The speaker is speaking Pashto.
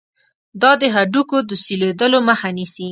دا د هډوکو د سولیدلو مخه نیسي.